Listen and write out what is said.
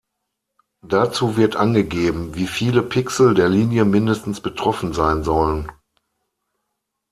Dazu wird angegeben, wie viele Pixel der Linie mindestens betroffen sein sollen.